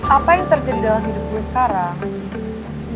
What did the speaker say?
apa yang terjadi dalam hidup gue sekarang